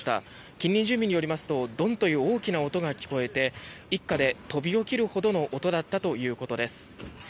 近隣住民によりますとドンという大きな音が聞こえて一家で飛び起きるほどの音だったということです。